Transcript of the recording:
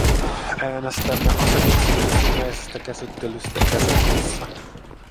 Äänestämme asetuksen ensimmäisestä käsittelystä kesäkuussa.